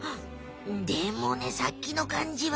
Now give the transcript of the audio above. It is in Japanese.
うんでもねさっきのかんじは。